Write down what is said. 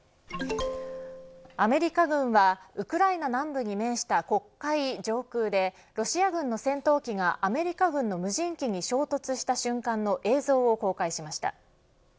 アメリカ軍はウクライナ南部に面した黒海上空でロシア軍の戦闘機がアメリカ軍の無人機に衝突した瞬間の映像を公開しました。